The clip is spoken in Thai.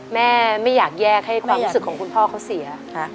แม่ไม่อยากแยกให้ความรู้สึกของคุณพ่อเขาเสีย